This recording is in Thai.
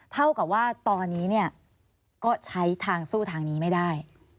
เท่ากับว่าตอนนี้เนี่ยก็ใช้ทางสู้ทางนี้ไม่ได้